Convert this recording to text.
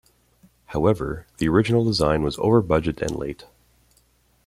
However, the original design was over budget and late.